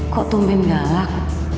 kok tumpin galak